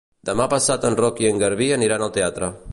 Demà passat en Roc i en Garbí aniran al teatre.